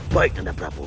baik nanda prabu